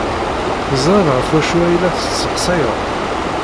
Teẓriḍ ɣef wacu ay la tesseqsayeḍ?